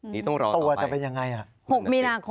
นี่ต้องรอต่อไปตัววันจะเป็นยังไง